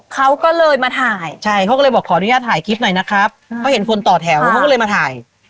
เขาก็เลยมาถ่ายใช่เขาก็เลยบอกขออนุญาตถ่ายคลิปหน่อยนะครับเขาเห็นคนต่อแถวเขาก็เลยมาถ่าย